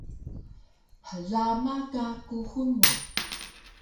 Hlama ka kuxul mu